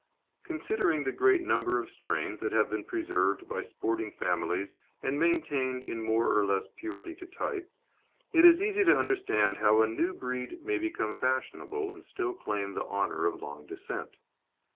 Considering the great number of strains that have been preserved by sporting families and maintained in more or less purity to type, it is easy to understand how a "new" breed may become fashionable, and still claim the honour of long descent.